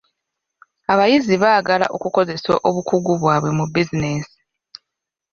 Abayizi baagala okukozesa obukugu bwabwe mu bizinensi.